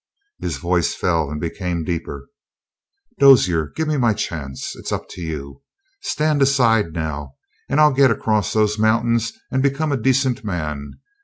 His voice fell and became deeper. "Dozier, give me my chance. It's up to you. Stand aside now, and I'll get across those mountains and become a decent man.